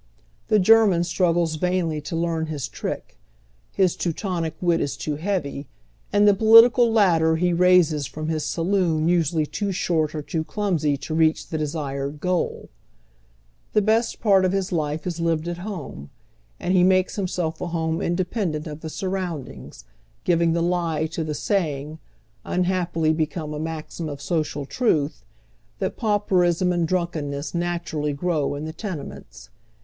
The German struggles vainly to learn his trick ; his Ten tonic wit is too heavy, and the political ladder he raises from his saloon usually too short or too clumsy to reach the desired goal. The best part of liis life is lived at home, and he makes himself a home independent of the sun'oundings, giving the lie to the saying, mihappiiy be come a maxim of social truth, that pauperism and dnink enness naturally grow in the tenements.